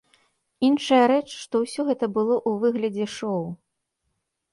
Іншая рэч, што ўсё гэта было ў выглядзе шоу.